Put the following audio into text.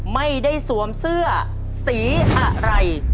ไม่ได้สวมเสื้อสีอะไร